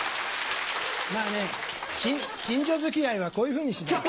まぁね近所付き合いはこういうふうにしないと。